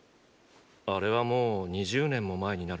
あれはもう２０年も前になるな。